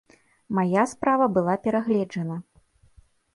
Мая справа была перагледжана.